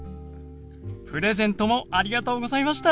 プレゼントもありがとうございました。